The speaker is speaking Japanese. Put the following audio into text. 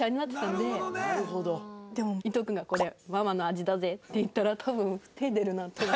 でも伊藤君が「これママの味だぜ」って言ったら多分手出るなと思う。